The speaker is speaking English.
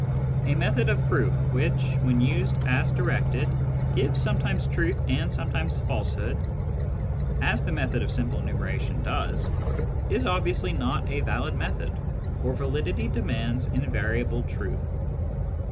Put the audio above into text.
A method of proof which, when used as directed, gives sometimes truth and sometimes falsehood — ^as the method of simple enumeration does — is obviously not a valid method, for validity demands invariable truth.